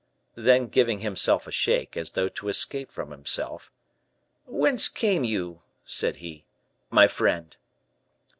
Then giving himself a shake, as though to escape from himself, "Whence came you," said he, "my friend?"